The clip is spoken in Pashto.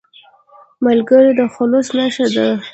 ملګری د خلوص نښه ده